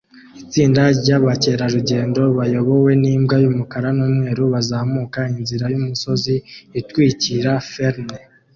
Itsinda ryabakerarugendo bayobowe nimbwa yumukara numweru bazamuka inzira yumusozi itwikiriye fern